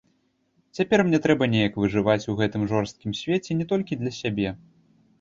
Цяпер мне трэба неяк выжываць у гэтым жорсткім свеце не толькі для сябе.